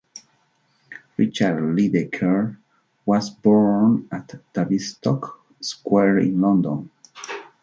Richard Lydekker was born at Tavistock Square in London.